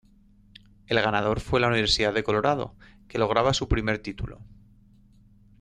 El ganador fue la Universidad de Colorado, que lograba su primer título.